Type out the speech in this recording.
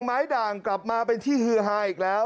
ด่างกลับมาเป็นที่ฮือฮาอีกแล้ว